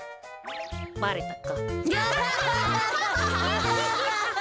ばれたか。